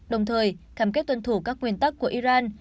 đồng thời cam kết tuân thủ các nguyên tắc của iran